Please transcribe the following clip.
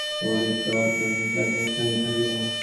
পৌরোহিত্য ও অত্যাচার চিরকালই এক সঙ্গে থাকিবে।